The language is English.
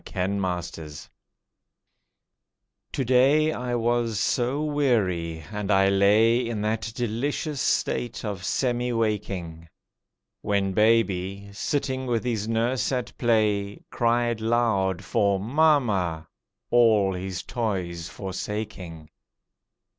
INEVITABLE To day I was so weary and I lay In that delicious state of semi waking, When baby, sitting with his nurse at play, Cried loud for "mamma," all his toys forsaking.